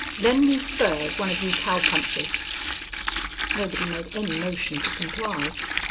Lend me spurs, one of you cowpunchers." Nobody made any motion to comply.